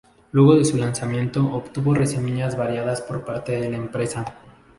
Luego de su lanzamiento, obtuvo reseñas variadas por parte de la prensa.